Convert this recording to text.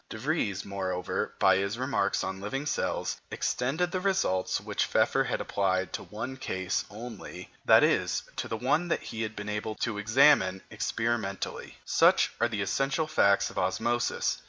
De Vries, moreover, by his remarks on living cells, extended the results which Pfeffer had applied to one case only that is, to the one that he had been able to examine experimentally. Such are the essential facts of osmosis.